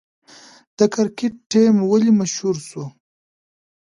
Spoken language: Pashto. د کرکټ ټیم ولې مشهور شو؟